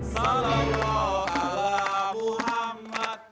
salam allah allah muhammad